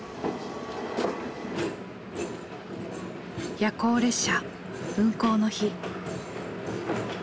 夜行列車運行の日。